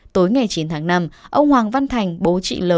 tối ngày chín tháng năm ông hoàng văn thành bố chị l